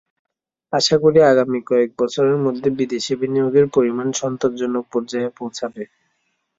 আশা করি, আগামী কয়েক বছরের মধ্যে বিদেশি বিনিয়োগের পরিমাণ সন্তোষজনক পর্যায়ে পৌঁছাবে।